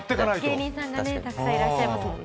芸人さんがたくさんいらっしゃいますからね。